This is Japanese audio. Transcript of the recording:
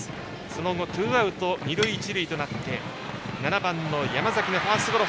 その後ツーアウト、二塁一塁となり７番の山崎がファーストゴロ。